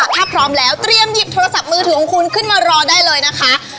ถ้าพร้อมแล้วเตรียมหยิบโทรศัพท์มือถือของคุณขึ้นมารอได้เลยนะคะ